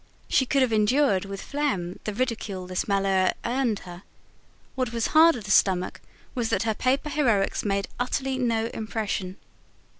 She could have endured, with phlegm, the ridicule this malheur earned her: what was harder to stomach was that her paper heroics made utterly no impression.